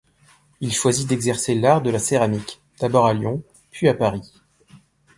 Il choisit d'exercer l'art de la céramique, d'abord à Lyon puis à Paris.